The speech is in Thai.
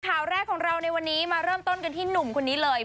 ข่าวแรกของเราในวันนี้มาเริ่มต้นกันที่หนุ่มคนนี้เลย